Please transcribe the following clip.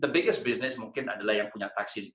the biggest business mungkin adalah yang punya taksi